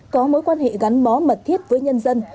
có mối quan hệ gắn bó mật thiết với nhân dân